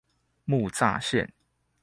木柵線